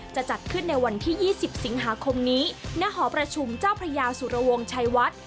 จะจัดขึ้นในวันที่๒๐สิงหาคมนี้ณหอประชุมเจ้าพระยาสุรวงชัยวัด